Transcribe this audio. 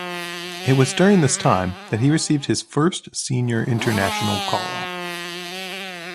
It was during this time that he received his first senior international call up.